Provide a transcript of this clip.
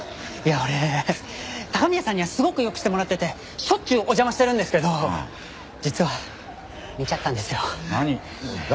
いや俺高宮さんにはすごく良くしてもらっててしょっちゅうお邪魔してるんですけど実は見ちゃったんですよ。